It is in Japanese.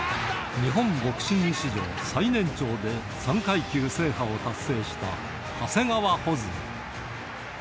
日本ボクシング史上最年長で３階級制覇を達成した長谷川穂積。